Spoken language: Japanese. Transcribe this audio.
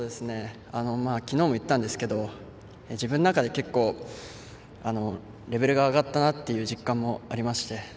きのうも言ったんですけど自分の中で結構レベルが上がったなという実感もありまして